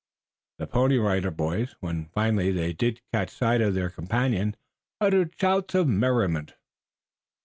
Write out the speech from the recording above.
The Pony Rider Boys, when finally they did catch sight of their companion, uttered shouts of merriment.